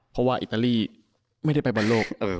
เพราะว่าอิตาลีไม่ได้ไปบอลโลก